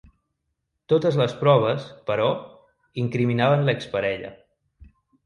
Totes les proves, però, incriminaven l’ex-parella.